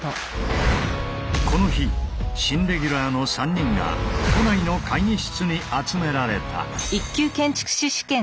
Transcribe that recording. この日新レギュラーの３人が都内の会議室に集められた。